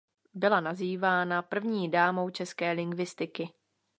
Byla nazývána „první dámou české lingvistiky“.